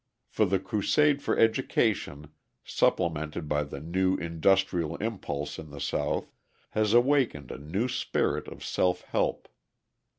For the crusade for education, supplemented by the new industrial impulse in the South, has awakened a new spirit of self help.